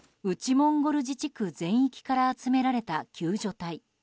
モンゴル自治区全域から集められた、救助隊。